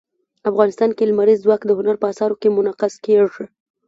افغانستان کې لمریز ځواک د هنر په اثار کې منعکس کېږي.